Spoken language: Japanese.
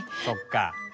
そっか。